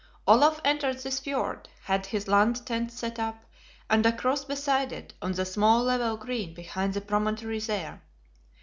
Olaf entered this fjord, had his land tent set up, and a cross beside it, on the small level green behind the promontory there.